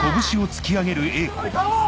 はい。